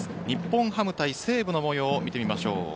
日本ハム対西武のもようを見てみましょう。